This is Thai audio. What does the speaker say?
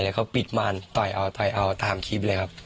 แล้วก็ปิดมานต่อยเอาต่อยเอาตามคลิปเลยครับ